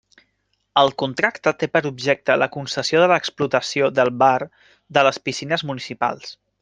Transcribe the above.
El contracte té per objecte la concessió de l'explotació del bar de les piscines municipals.